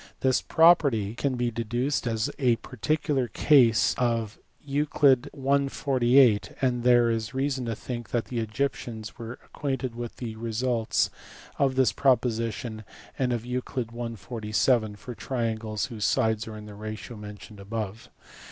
This property can be deduced as a particular case of Euc. i. 48 : and there is reason to think that the Egyptians were acquainted with the results of this proposition and of Euc. i. 47 for triangles whose sides are in the ratio mentioned above.